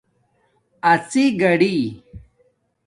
اڎݵ گاڑݵ